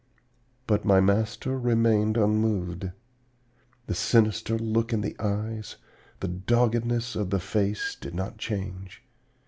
"But my master remained unmoved. The sinister look in the eyes, the doggedness of the face did not change.